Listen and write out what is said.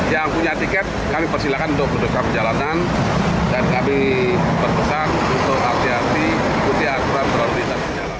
yang punya tiket kami persilahkan untuk berdekat jalanan dan kami berpesan untuk hati hati ikuti aturan terampil